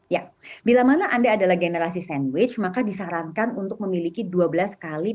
ya bila mana anda adalah generasi sandwich maka disarankan untuk memiliki dua belas kali